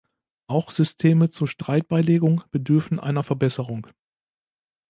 Auch Systeme zur Streitbeilegung bedürfen einer Verbesserung.